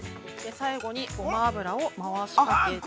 最後にごま油を回しかけて。